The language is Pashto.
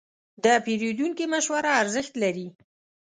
د پیرودونکي مشوره ارزښت لري.